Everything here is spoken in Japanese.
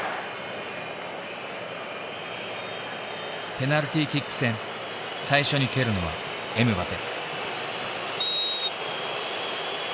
ペナルティーキック戦最初に蹴るのはエムバペ。